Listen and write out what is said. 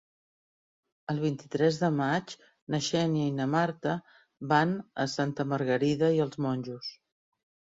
El vint-i-tres de maig na Xènia i na Marta van a Santa Margarida i els Monjos.